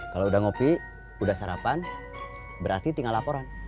kalau udah ngopi udah sarapan berarti tinggal laporan